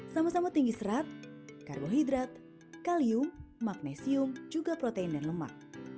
sama sama tinggi serat karbohidrat kalium magnesium juga protein dan lemak